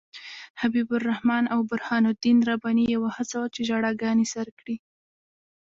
حبیب الرحمن او برهان الدین رباني یې وهڅول چې ژړاګانې سر کړي.